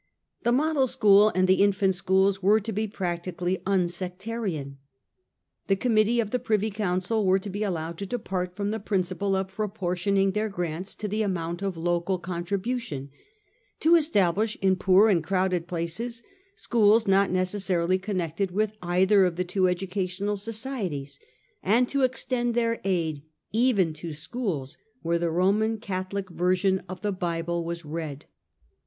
The model school and the infant schools were to be practically unsectarian. The Committee of the Privy Council were to be allowed to depart from the principle of proportioning their grants to the amount of local contribution, to establish in poor and crowded places schools not necessarily connected with either of the two educational societies, and to extend their aid even to schools where the Roman Catholic version of the Bible was read.